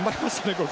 ここ。